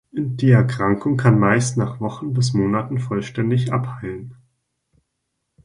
Die Erkrankung kann meist nach Wochen bis Monaten vollständig abheilen.